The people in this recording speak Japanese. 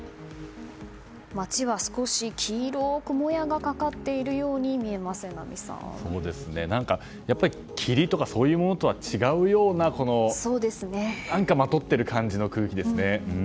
街は少し黄色くもやがかかっているように霧とかそういうものとは違うような何かまとっている感じの空気ですね。